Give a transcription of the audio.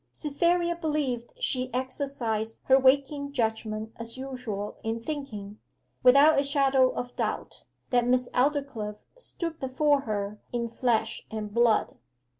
Cytherea believed she exercised her waking judgment as usual in thinking, without a shadow of doubt, that Miss Aldclyffe stood before her in flesh and blood.